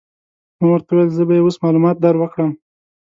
ما ورته وویل: زه به يې اوس معلومات در وکړم.